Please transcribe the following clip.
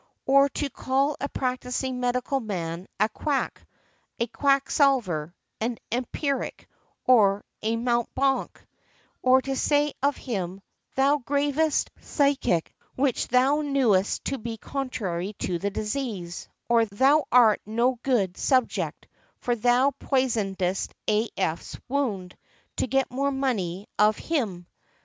Or to call a practising medical man "a quack," "a quacksalver," "an empiric," or "a mountebank," or to say of him, "Thou gavest physic which thou knewest to be contrary to the disease," or "Thou art no good subject, for thou poisonedst A. F.'s wound, to get more money of him."